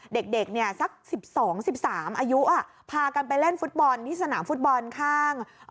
เด็กเนี่ยสัก๑๒๑๓อายุอ่ะพากันไปเล่นฟุตบอลที่สนามฟุตบอลข้าง